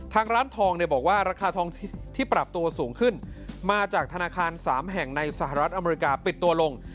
ทางร้านทองเนี่ยบอกว่าราคาทองที่ปรับตัวสูงขึ้นมาจากธนาคาร๓แห่งในสหรัฐอเมริกาปิดตัวลง